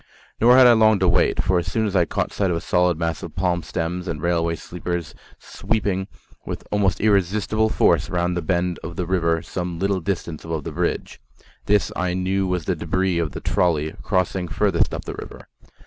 Nor had I long to wait; for I soon caught sight of a solid mass of palm stems and railway sleepers sweeping with almost irresistible force round the bend of the river some little distance above the bridge. This I knew was the debris of the trolley crossing furthest up the river.